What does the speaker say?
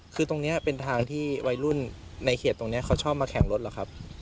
คือตรงนี้เป็นทางที่วัยรุ่นในเขตตรงนี้เขาชอบมาแข่งรถเหรอครับ